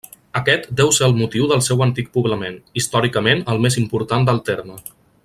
Aquest deu ser el motiu del seu antic poblament, històricament el més important del terme.